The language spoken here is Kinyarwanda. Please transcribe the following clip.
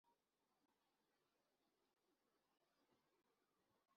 rushobora gutangwa iyo harangiye kimwe mu